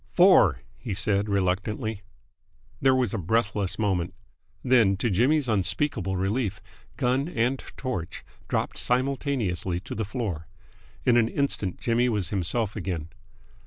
"Four!" he said reluctantly. There was a breathless moment. Then, to Jimmy's unspeakable relief, gun and torch dropped simultaneously to the floor. In an instant Jimmy was himself again.